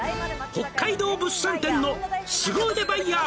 「北海道物産展のスゴ腕バイヤー」